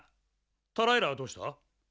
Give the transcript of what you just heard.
タライラはどうした？